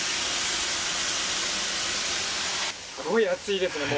すごい熱いですね。